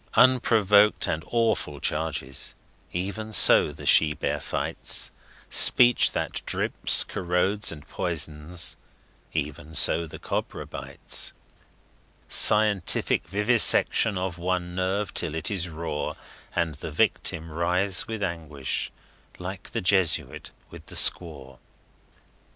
Unprovoked and awful charges even so the she bear fights; Speech that drips, corrodes and poisons even so the cobra bites; Scientific vivisection of one nerve till it is raw, And the victim writhes with anguish like the Jesuit with the squaw!